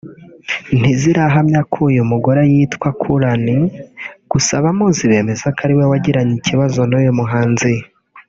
ntizirahamya ko uyu mugore yitwa Curran gusa abamuzi bemeza ko ari we wagiranye ikibazo n’uyu muhanzi